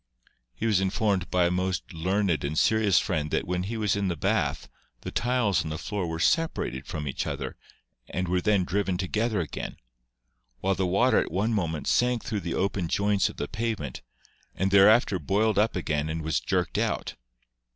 He was informed by a most learned and serious friend that when he was in the bath the tiles on the floor were separated from each other and were then driven to gether again, while the water at one moment sank through the opened joints of the pavement and thereafter boiled up again and was jerked out.